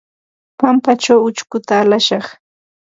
Pampaćhaw ućhkuta alashaq.